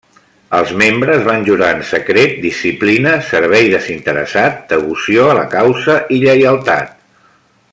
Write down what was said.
Els membres van jurar en secret, disciplina, servei desinteressat, devoció a la causa i lleialtat.